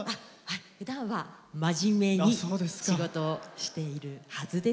ふだんは真面目に仕事をしているはずです。